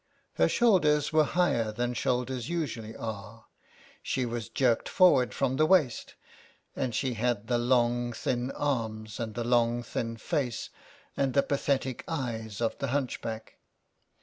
Her shoulders were higher than shoulders usually are, she was jerked forward from the waist, and she had the long, thin arms, and the long, thin face, and the pathetic eyes of the hunchback.